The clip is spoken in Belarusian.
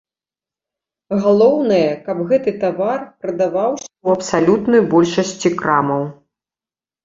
Галоўнае, каб гэты тавар прадаваўся ў абсалютнай большасці крамаў.